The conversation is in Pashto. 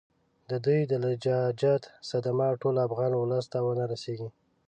د دوی د لجاجت صدمه ټول افغان اولس ته ونه رسیږي.